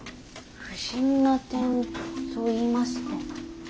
不審な点といいますと。